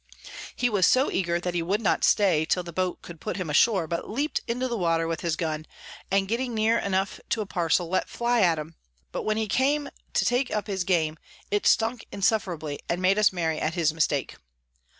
He was so eager, that he would not stay till the Boat could put him ashore, but leap'd into the Water with his Gun, and getting near enough to a parcel, let fly at 'em; but when he came to take up his Game, it stunk insufferably, and made us merry at his Mistake.